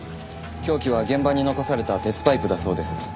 凶器は現場に残された鉄パイプだそうです。